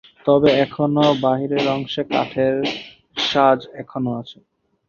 তবে এখনো বাইরের অংশের কাঠের সাজ এখনো আছে।